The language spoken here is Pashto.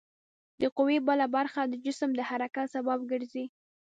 د قوې بله برخه د جسم د حرکت سبب ګرځي.